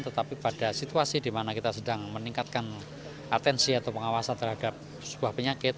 tetapi pada situasi di mana kita sedang meningkatkan atensi atau pengawasan terhadap sebuah penyakit